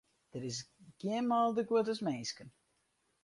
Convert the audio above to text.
Der is gjin mâlder guod as minsken.